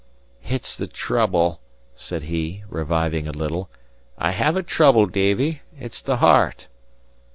"It's the trouble," said he, reviving a little; "I have a trouble, Davie. It's the heart."